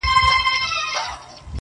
او تر سپين لاس يې يو تور ساعت راتاو دی.